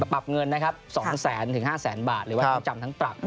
ปรับเงิน๒๐๐๐๐๐ถึง๕๐๐๐๐๐บาทหรือว่าจำทั้งปรับ